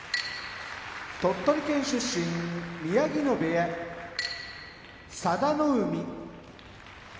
鳥取県出身宮城野部屋佐田の海